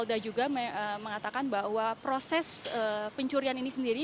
polda juga mengatakan bahwa proses pencurian ini sendiri